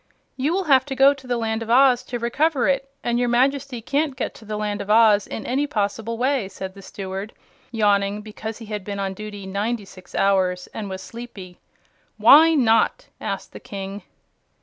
"You will have to go to the Land of Oz to recover it, and your Majesty can't get to the Land of Oz in any possible way," said the Steward, yawning because he had been on duty ninety six hours, and was sleepy. "Why not?" asked the King.